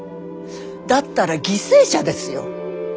だったら犠牲者ですよ。